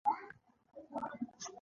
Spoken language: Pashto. ډوډۍ پخوئ